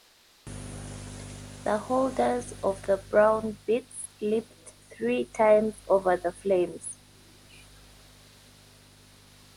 The holders of the brown bits leaped three times over the flames.